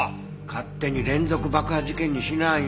勝手に連続爆破事件にしないの！